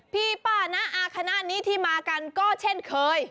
พี่ป้าน้าอาคณะนี้ที่มากันก็เช่นเคย